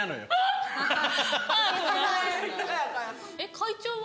会長は？